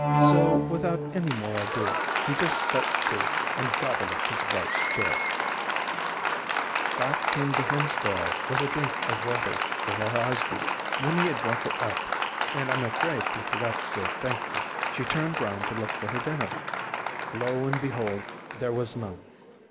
So without any more ado, he just set to, and gobbled up his wife's share. Back came the Hen sparrow with a drink of water for her husband. When he had drunk it up (and I am afraid he forgot to say thank you), she turned round to look for her dinner. Lo and behold! there was none.